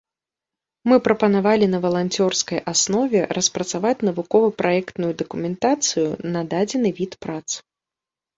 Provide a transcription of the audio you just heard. Мы прапанавалі на валанцёрскай аснове распрацаваць навукова-праектную дакументацыю на дадзены від прац.